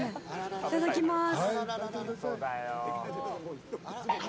いただきます。